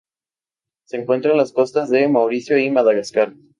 Se encuentra en las costas de Mauricio y Madagascar.